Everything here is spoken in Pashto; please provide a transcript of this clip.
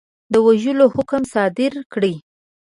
د وژلو حکم صادر کړي.